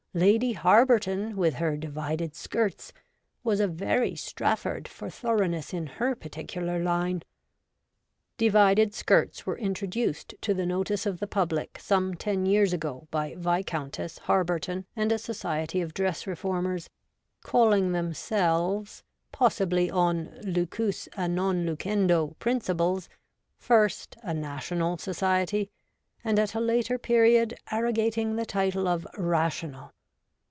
Lady Harberton, with her 'divided skirts,' was a very Strafford for thoroughness in her particular line. Divided skirts were introduced to the notice of the public some ten years ago by Viscountess Har berton and a Society of Dress Reformers, calling themselves, possibly on lucus a non lucendo principles, first a ' National ' Society, and at a later period arrogating the title of ' Rational.'